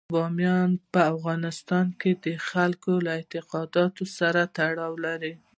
بامیان په افغانستان کې د خلکو له اعتقاداتو سره تړاو لري.